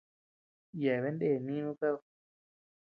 Yeabean ndee nínu kad.